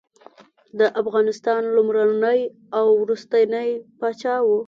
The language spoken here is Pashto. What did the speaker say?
د افغانستان لومړنی او وروستنی پاچا وو.